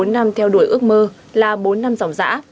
bốn năm theo đuổi ước mơ là bốn năm giỏng giã